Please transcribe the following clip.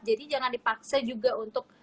jadi jangan dipaksa juga untuk